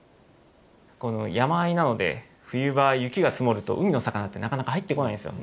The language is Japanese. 山あいなので冬場雪が積もると海の魚ってなかなか入ってこないんですよ